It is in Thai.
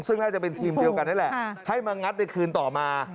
ซึ่งน่าจะเป็นทีมเดียวกันนี่แหละให้มางัดในคืนต่อมา